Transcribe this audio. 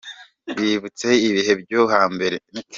Bibutse ibihe byo hambere